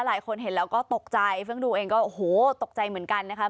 หลายคนเห็นแล้วก็ตกใจเฟื่องดูเองก็โอ้โหตกใจเหมือนกันนะคะ